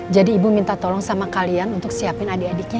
jadi ibu minta tolong sama kalian untuk siapin adik adiknya ya